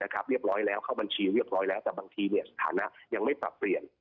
เข้าบัญชีเรียบร้อยแล้วแต่บางทีสถานะยังไม่ปรับเปลี่ยน